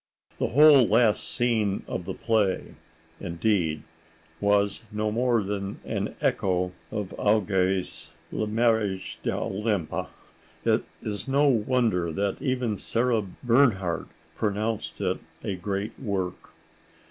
The whole last scene of the play, indeed, was no more than an echo of Augier's "Le Mariage d' Olympe." It is no wonder that even Sarah Bernhardt pronounced it a great work.